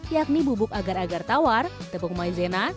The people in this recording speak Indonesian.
yakni bubuk agar agar tawar tepung maizena